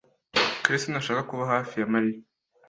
Kalisa ntashaka kuba hafi ya Mariya.